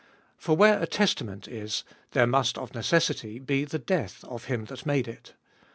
16. For where a testament Is, there must of necessity be the death of him that made it.